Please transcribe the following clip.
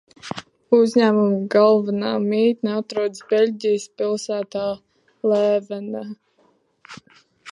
Uzņēmuma galvenā mītne atrodas Beļģijas pilsētā Lēvenā.